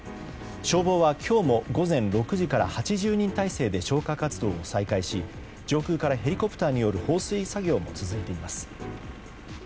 消防は今日も午前６時から８０人態勢で消火活動を再開し上空からヘリコプターによる放水作業も続いています。